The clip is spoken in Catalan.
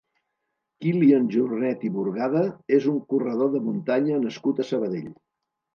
Kílian Jornet i Burgada és un corredor de muntanya nascut a Sabadell.